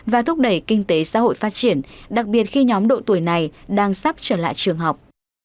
và thúc đẩy kinh tế xã hội phát triển đặc biệt khi nhóm độ tuổi này đang sắp trở lại trường học